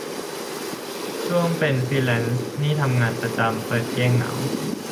ช่วงเป็นฟรีแลนซ์นี่ทำประจำ เปิดแก้เหงา